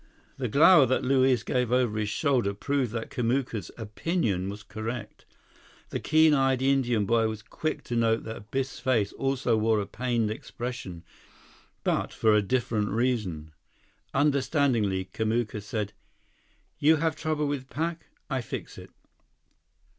The glower that Luiz gave over his shoulder proved that Kamuka's opinion was correct. The keen eyed Indian boy was quick to note that Biff's face also wore a pained expression, but for a different reason. Understandingly, Kamuka said: "You have trouble with pack. I fix it."